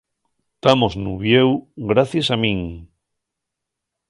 Tamos n'Uviéu gracies a min.